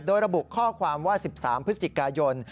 โดยระบุข้อความว่า๑๓พฤศจิกายน